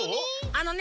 あのね